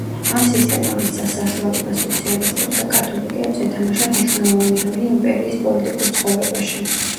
ამ სისტემამ მისცა საშუალება სოციალისტებს და კათოლიკეებს ეთამაშათ მნიშვნელოვანი როლი იმპერიის პოლიტიკურ ცხოვრებაში.